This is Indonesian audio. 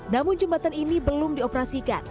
namun jembatan ini belum dioperasikan